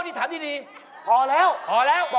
พี่กลับบ้านแล้ว